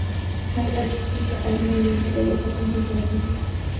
ہر اچھی چیز کا المیہ یہ ہے کہ وہ ختم ہو جاتی ہے۔